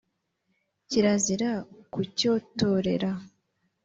kirazira kucyototera